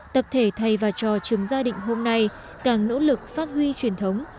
tập thể thầy và trò trường gia định hôm nay càng nỗ lực phát huy truyền thống